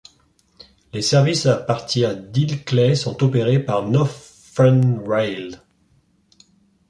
Les services à partir d'Ilkley sont opérés par Northern Rail.